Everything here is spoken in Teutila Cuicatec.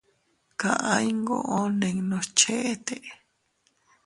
Kaʼa iyngoo ninnus cheʼete.